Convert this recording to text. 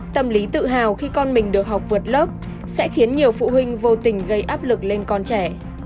tâm lý tự hào khi con mình được học vượt lớp sẽ khiến nhiều phụ huynh vô tình gây áp lực lên con trẻ